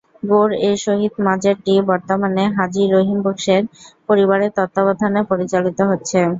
গোর-এ শহীদ মাজারটি বর্তমানে হাজি রহিম বকশের পরিবারের তত্ত্বাবধানে পরিচালিত হচ্ছে।